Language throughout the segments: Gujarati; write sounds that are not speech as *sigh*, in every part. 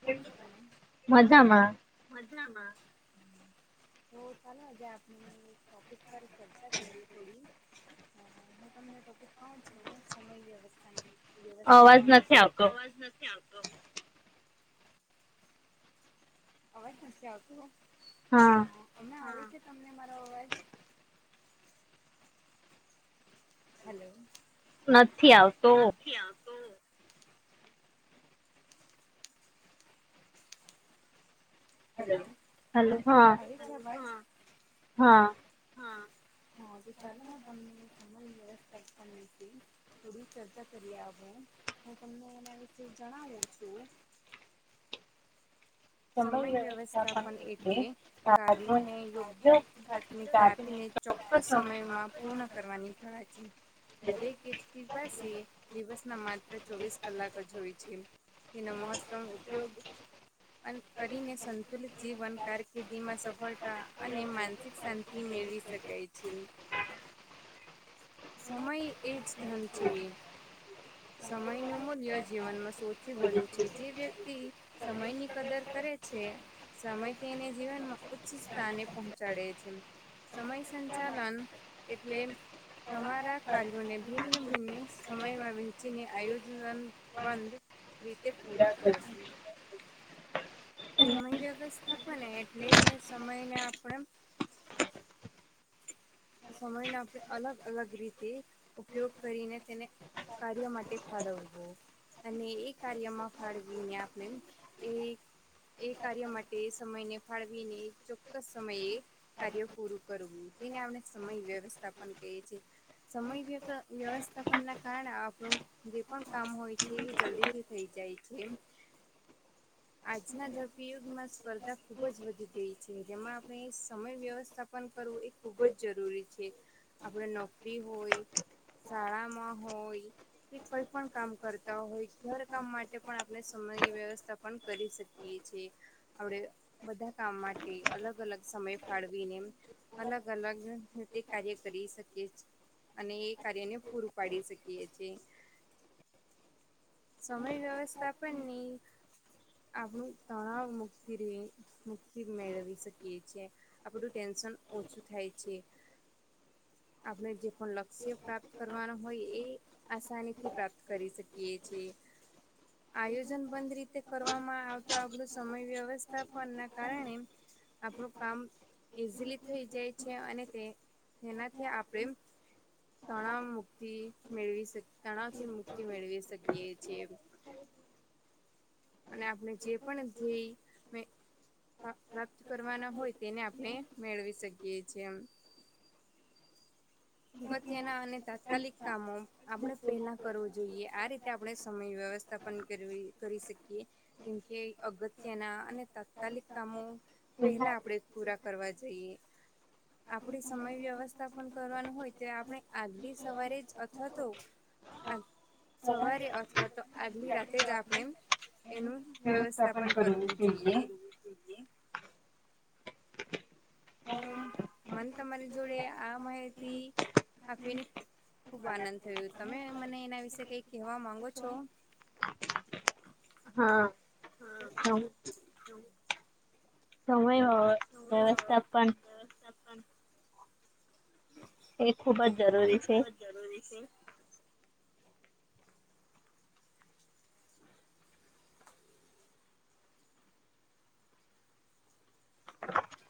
કેમ છો તમે મજામાં. તો ચાલોજ આપણે ટોપિક પર ચર્ચા કરીએ થોડી તમને ટોપિક કોણ છ હું સમય વ્યવસ્થા નહી વ્યવસ્થાપ છે અવાજ નથી આવતો અવાજ નથી આવતુંમ આવી રતે તમને મારો અવાજ હેલો નથી આવતો હલો આવે છે અવાજ સમય વ્યવસ્થાપન એટલે કાર્યોને યોગ્ય પ્રાથમિકતા આપીને ચોક્કસ સમયમાં પૂર્ણ કરવાની કાળજી દરેક વ્યક્તિ પાસે દિવસ ના માત્ર ચોવીસ કલાક જ હોય છે. તેનો મહત્તમ ઉપયોગ કરીને સંતુલિત જીવન કારકિર્દી માં સફળ અને માનસિક શાંતિ મેળવી શકાય છે. સમય એ જ ધન છે સમય ન મૂલ્ય જીવનમાં સૌથી વધુ છે જે વ્યક્તિ સમય ની કદર કરે છે. સમય તેને જીવનમાં ઉચ્ચ સ્થાને પહોંચાડે છે. સમય સંચાલન એટલે તમારા કાર્યોને ભિન્ન ભિન્ન સમયમાં વહેચીને આયોજન બંધ રીતે પૂરા કરવાનું સમય વ્યવસ્થા પણ એટલે સમય ને આપણે *inaudible* સમયને આપણે અલગ અલગ રીતે ઉપયોગ કરીને તેને કાર્ય માટે ફાડવવું અને એ કાર્યમાં ફાળવીને આપણે એ એ કાર્ય માટે સમયને ફાળવીને ચોક્કસ સમયે કાર્યો પૂરું કરવું જેને આપણે સમય વ્યવસ્થા પણ કહીએ છેએ. સમય વ્યવસ્થાપન ના કારણે આપણું જે પણ કામ હોય છે એ જલ્દી થી થઈ જાય. થઈ છે. આજના જડપી યુગમાં સ્પર્ધા ખૂબ જ વધી ગઈ છે જેમાં આપણે સમય વ્યવસ્થાપન કરવું એ ખૂબ જ જરૂરી છે આપણે નોકરી હોય શાળામાં હોય કે કોઈ પણ કામ કરતા હોય ઘર કામ માટે પણ આપણે સમ સમયવ્યવસ્થાપન કરી શકીએ છીએ આપડે બધા કામ માટે અલગ અલગસ મય ફાળવીને અલગ અલગ રીતે કાર્ય કરી શકીએ છીએ. અને એ કાર્યને પૂરું પાડી શકીએ છીએ. સમય વ્યવસ્થા પણ નહી આપણું તણાવ મુક્તિ મેળવી શકીએ છીએ આપણું ટેન્શન ઓછું થાય છે. આપણે જે પણ લક્ષ્ય પ્રાપ્ત કરવાનું હોય એ આસાની થી પ્રાપ્ત કરી શકીએ. છીએ આયોજન બંધ રીતે કરવામાં આવતો આપણો સમય વ્ય વ્યવસ્થાપન ના કારણે આપણું કામ ઈઝીલી થઈ જાય છે અને તે તેનાથી આપણે તણાવ મુક્તિ મેળવી શકે. તણાવ થી મુક્તિ મેળવી શકીએ છીએ. અને આપણે જે પણ ધેય્ય પ્રાપ્ત કરવાના હોય તેને આપણે મેળવી શકીએ છીએ. અગત્યના અને તાત્કાલિક કામો આપણે પેલા કરવું જોઈએ આ રીતે આપણે સમય વ્યવસ્થા પન કરવી કરી શકીએ. જેમ કે અગત્યના અને તાત્કાલિક કામો પેલા આપણેે પૂરા કરવા આપડે સમય વ્યવસ્થા પણ કરવાનું તે આપણે આગલી સવારે જ અથવા તો સવારે અથવા તો આગલી રાતે જ આપણે એનું વ્યવસ્થાપન કરવું જોઈએ. હ મને તમારી જોડે આ માહિતી આપીને ખુબ આનંદ થયું તમે મને એના વિશે કઈ કહેવા માંગો છો? હા હ. વ્યવસ્થાપન હમ. એ ખુબ જ જરૂરી છે.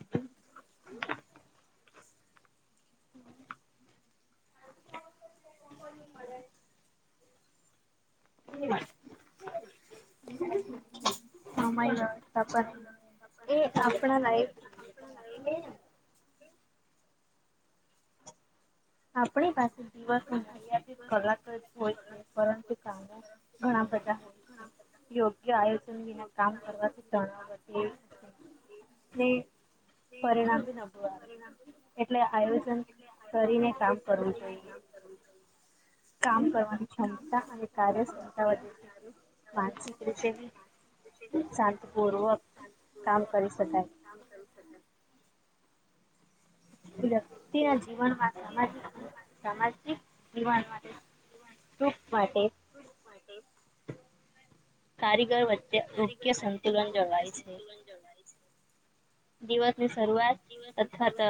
*inaudible* *inaudible* *inaudible* *inaudible* આપણી પાસે દિવસમાં મર્યાદિત કલાક જ હોય છે. હા. યોગ્ય આયોજન વિના કામ કરવાથી તણાવ વધ ને પરિણામી નબરૂ આવે એટલે આયોજન કરીને કામ કરવું જોઈએ. કામ કરવાની ક્ષમતા અને કાર્યક્ષમતા વધે છે. *unintelligible* શાંતિપૂર્વક કામ કરી શકાય. *inaudible* વ્યક્તિના જીવનમાં સામાજ સામાજિક જીવાન માટે ટૂક માટે. કારીગર વચ્ચે રોગ્ય સંતુલન જળવાય છે. દિવસ ની શરૂઆત અથવા તો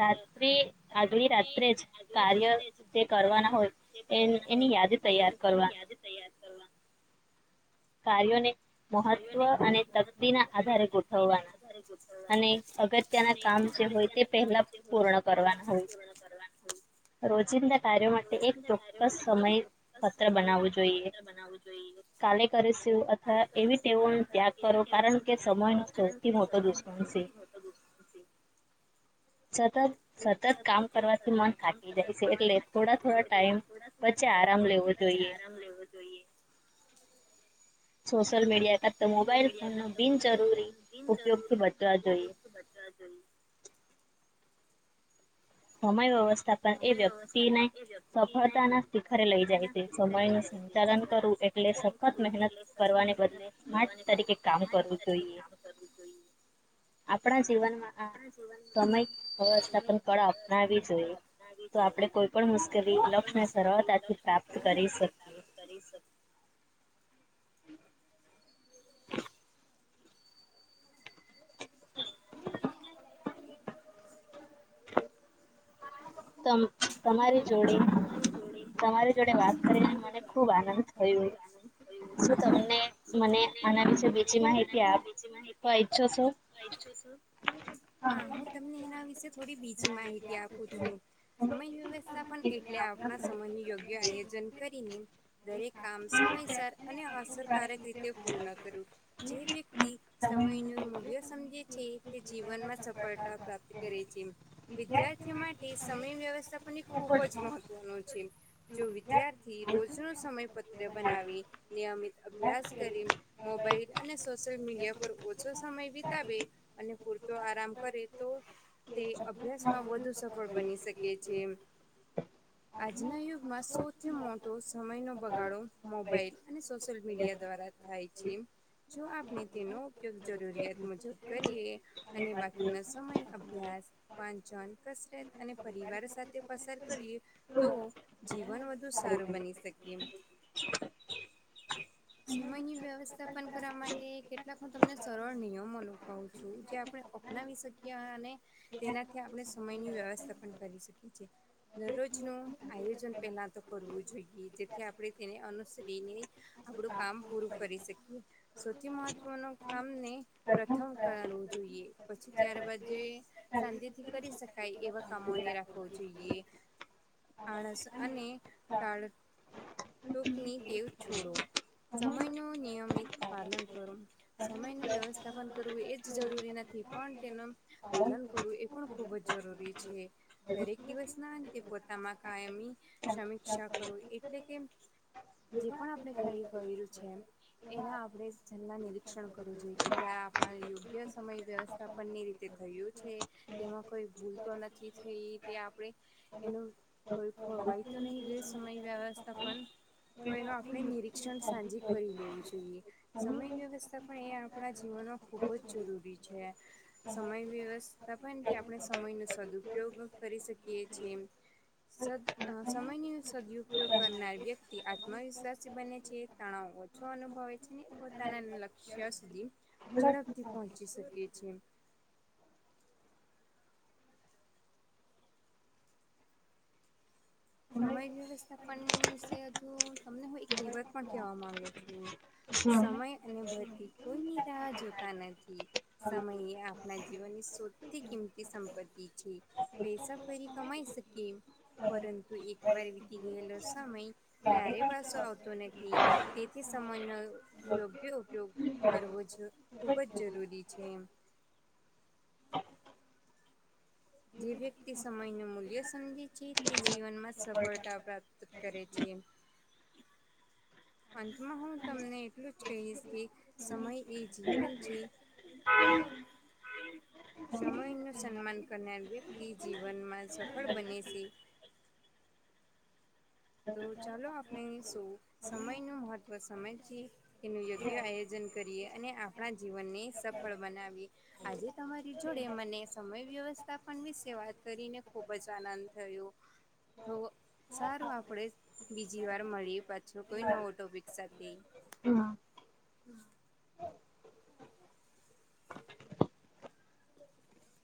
રાત્રિ આગલી રાત્રે જ કાર્ય જે કરવાના હોય જે કરવાના હોય એમ એની યાદી તૈયાર કાર્યોને મહત્વ અને તકદીના આધારે ગોઠવવાના અને અગત્યના કામ જે હોય તે પહેલા પૂર્ણ કરવાના હોય. રોજિંદા કાર્યો માટે એક ચોક્કસ સમયપત્ર બનાવવું જોઈએ. કાલે કરીશું અથવા એવી ટેવોનો ત્યાગ કરો કારણ કે સમયનો સૌથી મોટો દુશ્મન પસી *unintelligible* *inaudible* સતત સતત કામ કરવાથી મન થકી જાય છે એટલે થોડા થોડા ટાઈમ પછી આરામ લેવો જોઈએ. સોશિયલ મીડિયા કરતા મોબાઈલ બિનજરૂરી ઉપયોગથી બચવા જોઈએ. *inaudible* સમય વ્યવસ્થાપન એ વ્યક્તિને સફળતાના શિખરે લઈ જાય તે સમયનુ ચલન કરવું એટલે સખત મહેનત કરવાને બદલે સ્માર્ટ તરીકે કામ કરવું જોઈએ. ી કોઈ *inaudible* આપણા જીવનમાં આ સમય વવસ્થા પણ કળા અપનાવી જોઈએ. તો આપણે કોઈ પણ મુશ્કેલી લક્ષને સરળતારથી પ્રાપ્ત કરી શકીએ. *inaudible* *inaudible* તમ તમારી જોડે તમારી જોડે વાત કરીને મને ખુબ આનંદ થયો. શું તમને મને આના વિશે બીજી માહિતી આપ બીજી માહિતી આપવા ઈચ્છો છો? હા હું તમને એના વિશે થોડી બીજી માહિતી આપુ છું સમયવ્યવસ્થાપ એટલે આપણા સમયનું યોગ્ય આયોજન કરીને દરેક કામ સમયસર અને અસરકારક રીતે પૂર્ણ કરું જે વ્યક્તિ સમયનું મૂલ્ય સમજે છે કે જીવનમાં સફળતા પ્રાપ્ત કરે છે વિદ્યાર્થીઓ માટે સમય વ્યવસ્થાપન એ ખૂબ જ મહત્વનું છે. જો વિદ્યાર્થી રોજનુ સમયપત્ર બનાવી નિયમિત અભ્યાસ કરી મોબ ઈલ અને સોશિયલ મીડિયા પર ઓછો સમય વિતાવે અને પૂરતો આરામ કરે તો તે અભ્યાસમાં વધુ સફળ બની શકે છે. આજના યુગમાં સૌથી મોટો સમયનો બગાડો મોબાઈલ અને સોશિયલ મીડિયા દ્વારા થાય છે જો આપણે તેનો ઉપયોગ જરૂરિયાત મુજબ કરીએ અને બાકીનો સમય અભ્યાસ વાંચન *unintelligible* અને પરિવાર સાથે પસાર કરીએ તો જીવન વધુ સારું બની શકીએ. સમયની વ્યવસ્થાપન કરવા માટે કેટલાક હું તમને સરળ નિયમોનું કવ છું જે આપણે અપનાવી શકીએ અ અને તેનાથી આપણે સમયની *inaudible* વ્યવસ્થાપન કરી શકીએ છે. દરરોજ નું આયોજન પેલા તો કરવું જોઈએ જેથી આપણે તેને અનુસરીને એ આપડું કામ પૂરું કરી શકીએ સૌથી મહત્વનું કામને પ્રથવ કરવું જોઈએ પછી ત્યારબાદ જે શાંતિથી કરી શકાય એવા કામોને રાખવોઓ જોઈએ આળસ અને ટાળ ટૂકની ટેવ છોડો સમય નું નિયમિત પાલન કરો. સમયનું વ્યવસ્થાપન કરવું એજ જરૂરી નથી પણ તેનું પાલન કરવું એ પણ ખુબ જ જરૂરી છે દરેક દિવસના કે પોતામાં કાયમી સમીક્ષા કરો એટલે કે જે પણ આપણે ખરી કયરૂ છે એના આપણે જનમાં પરિક્ષણ કરવું જોઈએ કે ત્યાં આપણા યોગ્ય સમય વ્યવસ્થાપનની રીતે થયું છે તેમાં કોઈ ભૂલ તો નથી થઈ તે આપણે એનું કોઈ ખોરવાઈ તો નહીં ગયું સમય વ્યવસ્થાપન તો એનું આપણે નિરીક્ષણ સાંજે કરી લેવું જોઈએ સમય વ્યવસ્થાપન પણ એ આપણા જીવનમાં ખુબ જ જરૂરી છે સમય વ્યવસ્થા પણ કે આપણે સમય સદ ઉયોગ કરી શકીએ છીએ સદ સમય ન સદપયોગ કરનાર વ્યક્તિ આત્મવિશ્વાસ બને છે તણાવ ઓછો અનુભવે છે ને પોતાના સુધી ઝડપથી પહોંચી શકે છે. સમય વ્યવસ્થા પણ સે હજુ તમને હું એક કહેવત પણ કેવા માંગુ છું સમય અને ભરતી કોઈ નિરાહ જોતા નથી સમયે આપના જીવનની સૌથી કિંમતી સંપત્તિ પૈસા ફરી કમાઈ શકે પરંતુ એકવાર વીતી ગયેલો સમય ક્યારે પાછો આવતો નથી તેથી સમજ ન યોગ્ય ઉપયોગ કરવો ખુબ જ જરૂરી છે એમ જે વ્યક્તિ સમય ન મૂલ્ય સમજે છે તે જીવનમાં સફળતા પ્રાપ્ત કરે છે. અંતમાં હું તમને એટલું જ કહીશ કે સમય એ જીવન છે. હમ હ *inaudible* સમય નું સન્માન કરનાર વ્યક્તિ જીવનમાં સફળ બને છે. *inaudible* તો ચાલો આપણે સો સમય નું મહત્વ સમય છે તેનું યોગ્ય આયોજન કરીએ અને આપણા જીવનને સફળ બનાવી આજે તમારી જોડે મને સમય વ્યવસ્થાપન વિશે વાત કરીને ખુબ જ આનંદ થયો તો સારું આપ આપડે બીજી વાર મળી પાછો કોઈ નવો ટોપિક સાથે હા. હમ *inaudible* હ